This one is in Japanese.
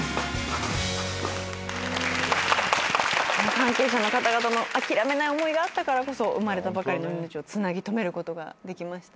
関係者の方々の諦めない思いがあったからこそ生まれたばかりの命をつなぎ留めることができました。